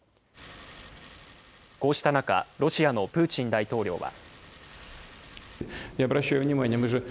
こうした中、ロシアのプーチン大統領は。